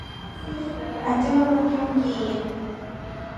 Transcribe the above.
Atehorokya ungiiye.